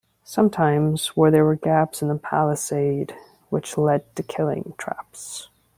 Sometimes there were gaps in the palisade, which led to killing traps.